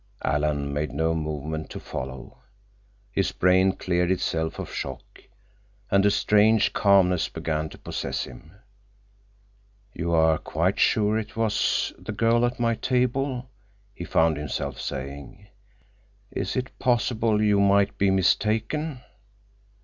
Alan made no movement to follow. His brain cleared itself of shock, and a strange calmness began to possess him. "You are quite sure it was the girl at my table?" he found himself saying. "Is it possible you might be mistaken?"